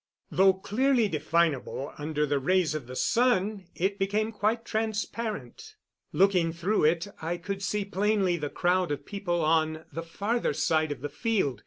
Though clearly definable, under the rays of the sun it became quite transparent. Looking through it, I could see plainly the crowd of people on the farther side of the field.